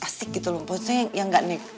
asik gitu loh yang nggak